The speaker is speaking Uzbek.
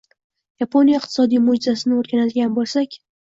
Yaponiya iqtisodiy «mo‘’jizasi»ni o‘rganadigan bo‘lsak